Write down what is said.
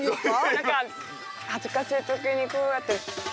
何か恥ずかしい時にこうやって。